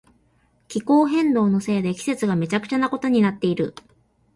気候変動のせいで季節がめちゃくちゃなことになっている。